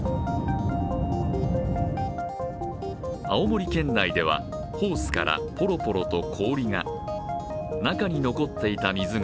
青森県内ではホースからぽろぽろと氷が。